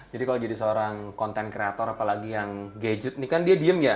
jadi kalau jadi seorang content creator apalagi yang gadget ini kan dia diem ya